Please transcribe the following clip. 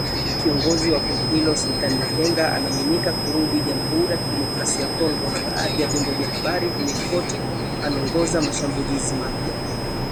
Kiongozi wa kundi hilo, Sultani Makenga anaaminika kurudi Jamhuri ya Kidemokrasia ya Kongo na badhi ya vyombo vya habari vimeripoti anaongoza mashambulizi mapya